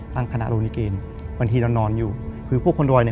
ตั้งคณะโรงนิเกย์บางทีเรานอนอยู่คือพวกคอนโบยเนี่ย